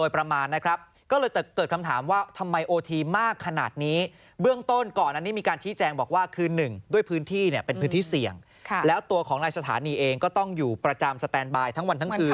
เป็นพื้นที่เสี่ยงแล้วตัวของลายสถานีเองก็ต้องอยู่ประจำสแตนบายทั้งวันทั้งคืน